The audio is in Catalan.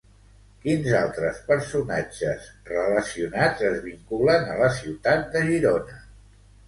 Quins altres personatges relacionats es vinculen a la ciutat de Girona?